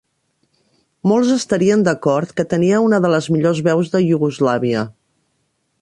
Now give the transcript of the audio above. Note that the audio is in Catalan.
Molts estarien d'acord que tenia una de les millors veus de Iugoslàvia.